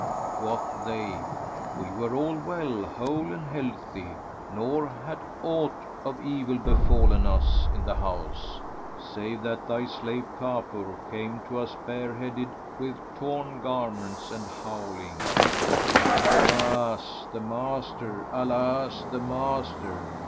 Quoth they, "We were all well, whole and healthy, nor hath aught of evil befallen us in the house, save that thy slave Kafur came to us, bareheaded with torn garments and howling, 'Alas, the master! Alas the master!'